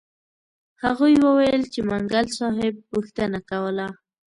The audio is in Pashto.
هغوی وویل چې منګل صاحب پوښتنه کوله.